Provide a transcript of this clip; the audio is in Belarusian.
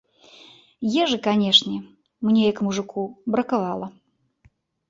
Ежы, канечне, мне як мужыку бракавала.